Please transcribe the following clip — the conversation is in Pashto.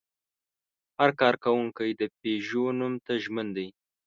هر کارکوونکی د پيژو نوم ته ژمن دی.